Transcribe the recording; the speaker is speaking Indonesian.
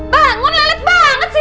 bangun lelet banget sih